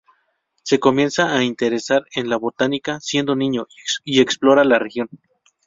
Se comienza a interesar en la botánica siendo niño, y explora la región.